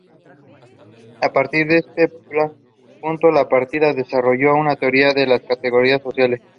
A partir de este punto de partida, desarrolló una teoría de las categorías sociales.